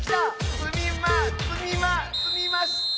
つみまつみまつみました！